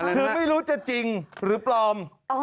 คือไม่รู้จะจริงหรือปลอม